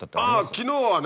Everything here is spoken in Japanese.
昨日はね。